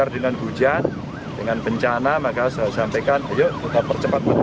dengan hujan dengan bencana maka saya sampaikan yuk